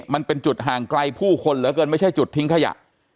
มันเป็นจุดห่างไกลผู้คนเหลือเกินไม่ใช่จุดทิ้งขยะ